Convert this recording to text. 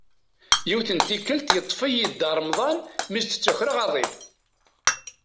Yiwet n tikelt yeṭṭef-iyi Dda Remḍan mi s-d-ttakreɣ aḍil.